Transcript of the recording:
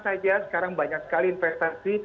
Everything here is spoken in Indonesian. saja sekarang banyak sekali investasi